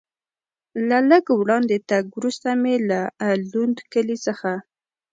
له لږ وړاندې تګ وروسته مې له لوند کلي څخه.